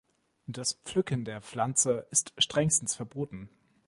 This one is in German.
Das Pflücken der Pflanze ist strengstens verboten.